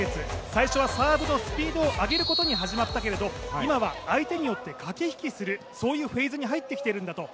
最初はサーブのスピードを上げることに始まったけれど、今は相手によって駆け引きする、そういうフェーズに入ってきているんだと。